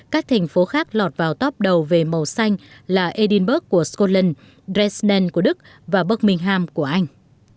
các thành phố khác lọt vào top đầu về màu xanh là edinburgh của scotland dresden của đức và birmingham của anh